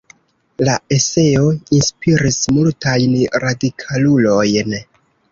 La eseo inspiris multajn radikalulojn.